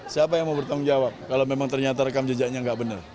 siapa yang mau bertanggung jawab kalau memang ternyata rekam jejaknya nggak benar